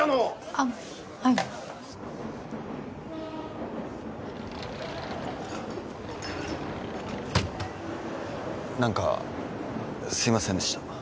あっはい何かすいませんでした